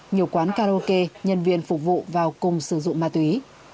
nhiều quán karaoke nhân viên phục vụ vào cùng sử dụng ma túy